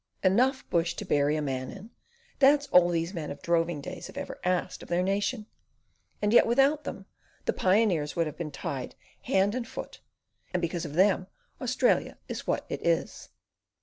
Enough bush to bury a man in! That's all these men of the droving days have ever asked of their nation and yet without them the pioneers would have been tied hand and foot, and because of them Australia is what it is.